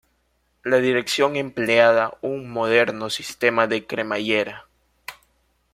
La dirección empleaba un moderno sistema de cremallera.